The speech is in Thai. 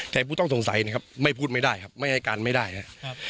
แต่ผู้ต้องสงสัยนะครับไม่พูดไม่ได้ครับไม่ให้การไม่ได้ครับ